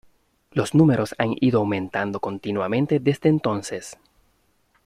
Los números han ido aumentando continuamente desde entonces.